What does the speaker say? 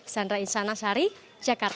sandra isana sari jakarta